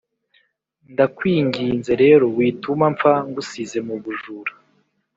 ndawkinginze rero wituma mfa ngusize mubujura…….